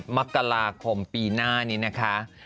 มกราคมปีหน้านี้นะคะ